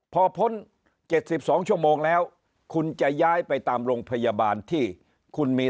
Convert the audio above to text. พอพ้น๗๒ชั่วโมงแล้วคุณจะย้ายไปตามโรงพยาบาลที่คุณมี